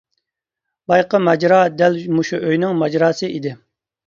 بايىقى ماجىرا دەل مۇشۇ ئۆينىڭ ماجىراسى ئىدى.